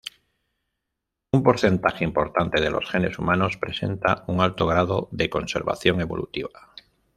Un porcentaje importante de los genes humanos presenta un alto grado de conservación evolutiva.